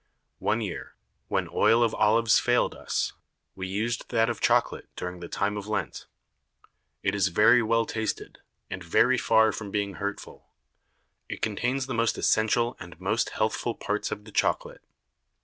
One Year, when Oil of Olives failed us, we used that of Chocolate during the Time of Lent. It is very well tasted, and very far from being hurtful; it contains the most essential and most healthful Parts of the Chocolate.